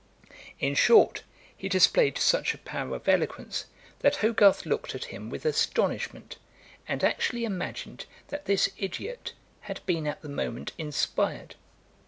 In short, he displayed such a power of eloquence, that Hogarth looked at him with astonishment, and actually imagined that this ideot had been at the moment inspired.